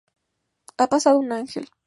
Ha pasado un ángel